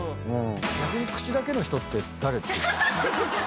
逆に口だけの人って誰ですか？